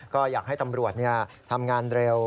ก็อยากให้ตำรวจทำงานเร็ว